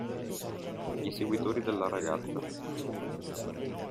Gli inseguitori della ragazza.